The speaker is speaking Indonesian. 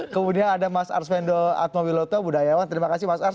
kemudian ada mas arsvendo atmobiloto budayawan terima kasih mas ars